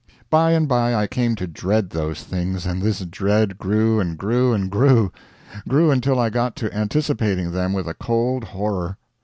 By and by I came to dread those things; and this dread grew and grew and grew; grew until I got to anticipating them with a cold horror.